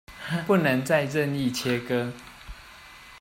不能再任意切割